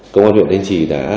công an huyện thanh trì đã